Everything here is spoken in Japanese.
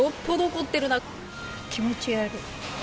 気持ち悪い。